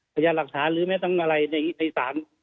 พยายามหลักฐานหรือแม้ทั้งอะไรในศาล